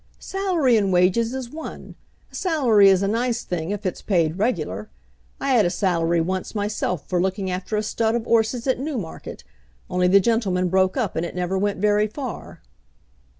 "Salary and wages is one. A salary is a nice thing if it's paid regular. I had a salary once myself for looking after a stud of 'orses at Newmarket, only the gentleman broke up and it never went very far."